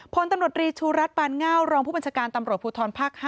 พลตำรวจรีชูรัฐปานเง่ารองผู้บัญชาการตำรวจภูทรภาค๕